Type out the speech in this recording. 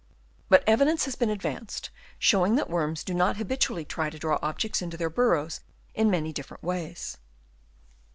But evidence has been advanced showing that worms do not habitually try to draw objects into their burrows in many different ways.